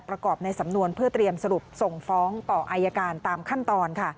ประกอบในสำนวนเพื่อเตรียมสรุปส่งฟ้องต่ออายการตามขั้นตอนค่ะ